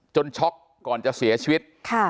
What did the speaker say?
ช็อกก่อนจะเสียชีวิต